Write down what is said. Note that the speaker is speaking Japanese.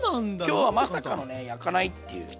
今日はまさかのね焼かないっていう。